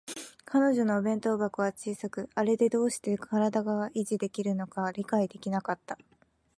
彼女のお弁当箱は小さく、あれでどうして身体が維持できるのか理解できなかった